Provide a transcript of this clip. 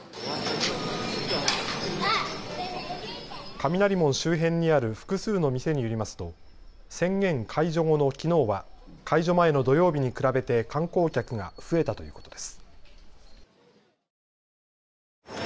雷門周辺にある複数の店によりますと宣言解除後のきのうは解除前の土曜日に比べて観光客が増えたということです。